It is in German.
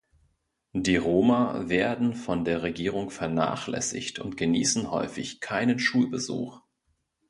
Die Roma werden von der Regierung vernachlässigt und genießen häufig keinen Schulbesuch.